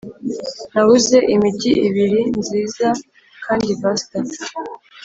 nabuze imigi ibiri, nziza. kandi, vaster,